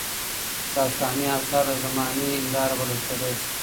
داستاني اثار د زمانې هنداره بلل کيدای سي.